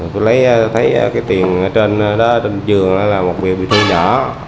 tôi thấy cái tiền trên đó trên giường là một biểu bị thư nhỏ